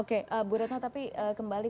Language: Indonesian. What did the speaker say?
oke bu retno tapi kembali